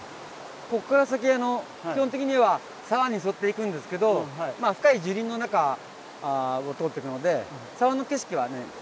ここから先基本的には沢に沿っていくんですけど深い樹林の中を通っていくので沢の景色はね